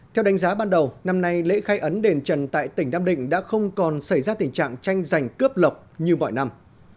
theo đánh giá ban đầu năm nay lễ khai ấn đền trần tại tỉnh nam định đã không còn xảy ra tình trạng tranh giành cướp lộc như mọi năm